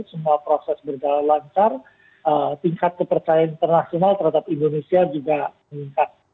semua proses berjalan lancar tingkat kepercayaan internasional terhadap indonesia juga meningkat